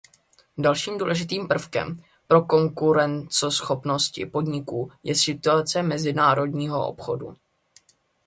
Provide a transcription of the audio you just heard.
Dalším důležitým prvkem pro konkurenceschopnost podniků je situace mezinárodního obchodu.